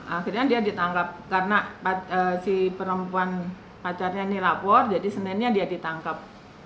akhirnya dia ditangkap karena si perempuan pacarnya ini lapor jadi seninnya dia ditangkap